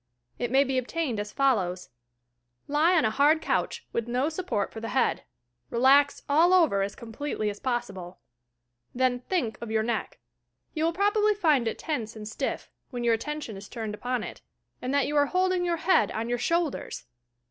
It may be obtained as follows: Lie on a hard couch, with no support for the head. Relax all over as completely as possible. Then think of your neck. You will probably find it tense and stiff, when your attention is turned upon it, and that you are hold ing your head on your shoulders!